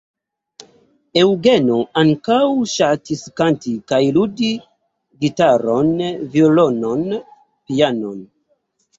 Eŭgeno ankaŭ ŝatis kanti kaj ludi gitaron, violonon, pianon.